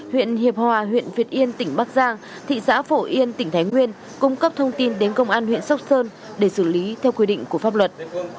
huyện hiệp hòa huyện việt yên tỉnh bắc giang thị xã phổ yên tỉnh thái nguyên cung cấp thông tin đến công an huyện sóc sơn để xử lý theo quy định của pháp luật